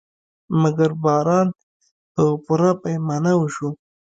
مګر باران په پوره پیمانه وشو.